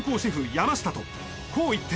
山下と紅一点！